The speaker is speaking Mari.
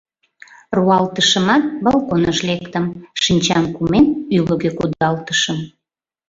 Руалтышымат, балконыш лектым, шинчам кумен, ӱлыкӧ кудалтышым.